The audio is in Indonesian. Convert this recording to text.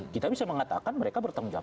kita bisa mengatakan mereka bertanggung jawab